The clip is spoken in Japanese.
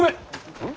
うん？